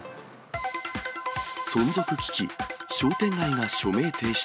存続危機、商店街が署名提出。